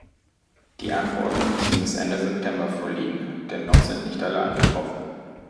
Die Antworten müssten bis Ende September vorliegen, denn noch sind nicht alle eingetroffen.